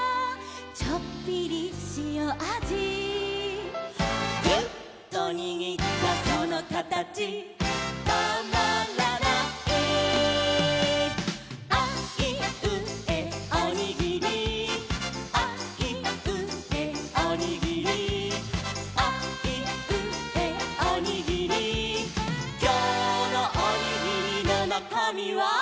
「ちょっぴりしおあじ」「ギュッとにぎったそのかたちたまらない」「あいうえおにぎり」「あいうえおにぎり」「あいうえおにぎり」「きょうのおにぎりのなかみは？」